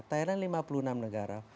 thailand lima puluh enam negara